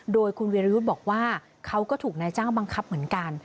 โดยคุณวิรยุทธ์บอกว่าเขาก็ถูกนายจ้างบังคับเหมือนกัน